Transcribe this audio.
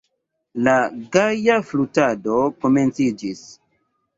La gaja flutado komenciĝis.